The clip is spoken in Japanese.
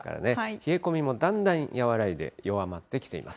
冷え込みもだんだん和らいで、弱まってきています。